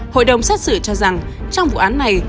hội đồng xét xử cho rằng trong vụ án này